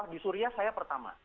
di suria saya pertama